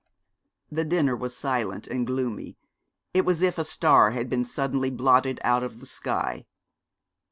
The dinner was silent and gloomy. It was as if a star had been suddenly blotted out of the sky.